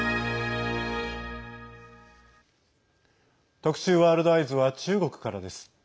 特集「ワールドＥＹＥＳ」は中国からです。